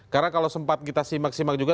karena kalau sempat kita simak simak juga